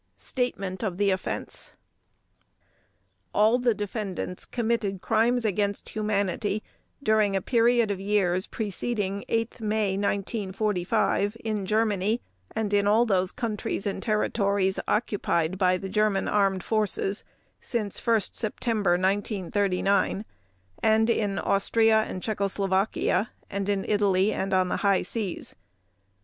Statement of the Offense All the defendants committed Crimes against Humanity during a period of years preceding 8 May 1945 in Germany and in all those countries and territories occupied by the German armed forces since 1 September 1939 and in Austria and Czechoslovakia and in Italy and on the High Seas.